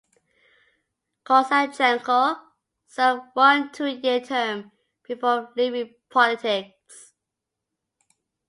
Kozachenko served one two-year term before leaving politics.